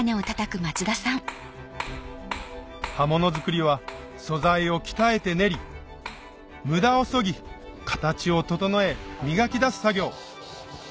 刃物作りは素材を鍛えて練り無駄をそぎ形を整え磨き出す作業